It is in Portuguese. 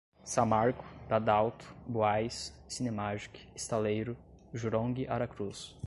Samarco, Dadalto, Buaiz, Cinemagic, Estaleiro, Jurong Aracruz